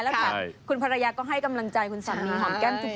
แล้วรยาก็ให้กำลังใจคุณสมีย์